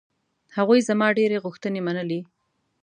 هغوی زما ډېرې غوښتنې منلې.